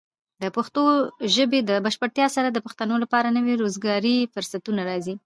د پښتو ژبې د بشپړتیا سره، د پښتنو لپاره نوي روزګاري فرصتونه راځي.